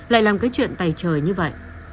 lại làm cái chuyện tay trời như vậy